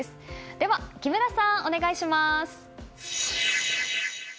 では木村さん、お願いします。